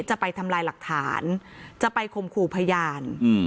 จะไปทำลายหลักฐานจะไปข่มขู่พยาน